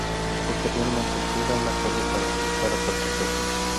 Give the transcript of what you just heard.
Posteriormente llega a un acuerdo para regresar a Santa Fe.